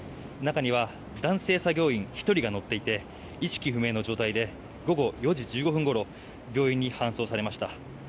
中には、男性作業員１人が乗っていて意識不明の状態で午後４時１５分ごろ病院に搬送されました。